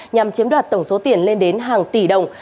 nhằm chiếm đoạt tổng số tiền lên đến hàng tỷ đồng